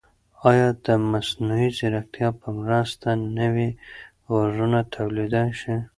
ایا د مصنوعي ځیرکتیا په مرسته نوي غږونه تولیدولای شئ؟